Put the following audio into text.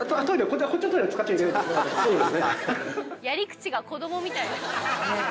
やり口が子どもみたい。